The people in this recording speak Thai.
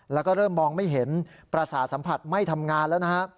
แล้วก็เริ่มมองไม่เห็นประสาทสัมผัสไม่ทำงานแล้วนะฮะ